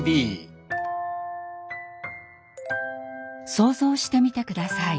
想像してみて下さい。